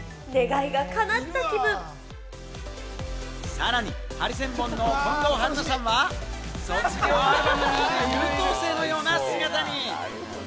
さらにハリセンボンの近藤春菜さんは、卒業アルバムにいる優等生のような姿に。